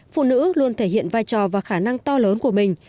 phụ nữ luôn thể hiện vai trò và khả năng to lớn của mình